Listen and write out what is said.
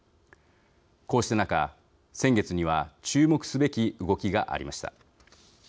こうした中、先月には注目すべき動きがありました。